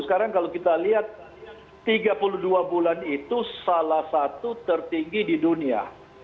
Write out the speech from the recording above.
sekarang kalau kita lihat tiga puluh dua bulan itu salah satu tertinggi di dunia